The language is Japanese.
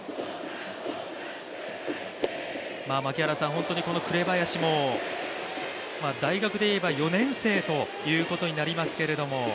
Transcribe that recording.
本当にこの紅林も大学でいえば４年生ということになりますけど。